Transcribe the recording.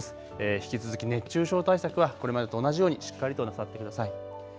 引き続き熱中症対策はこれまでと同じようにしっかりとなさってください。